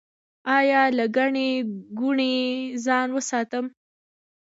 ایا له ګڼې ګوڼې ځان وساتم؟